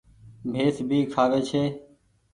ڀيس ڀي کآوي ڇي۔